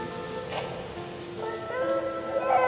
お父ちゃん。